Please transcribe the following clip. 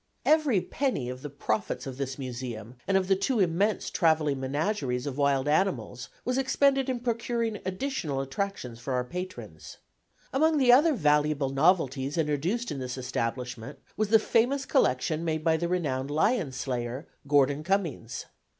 Every penny of the profits of this Museum and of the two immense travelling menageries of wild animals was expended in procuring additional attractions for our patrons. Among other valuable novelties introduced in this establishment was the famous collection made by the renowned lion slayer, Gordon Cummings.